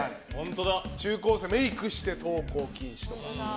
中高生、メイクして登校禁止とか。